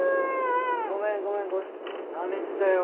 ごめんごめんなめてたよ